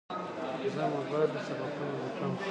زه موبایل ته سبقونه لیکم.